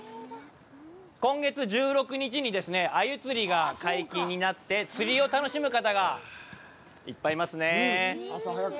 今月１６日に鮎釣りが解禁になって、釣りを楽しむ方がいっぱいいますね。